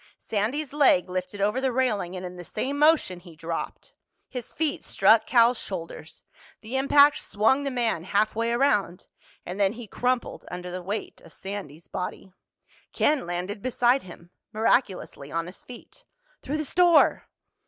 Sandy's leg lifted over the railing and in the same motion he dropped. His feet struck Cal's shoulders. The impact swung the man halfway around—and then he crumpled under the weight of Sandy's body. Ken landed beside him, miraculously on his feet. "Through the store!"